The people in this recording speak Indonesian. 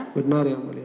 benar ya benar yang mulia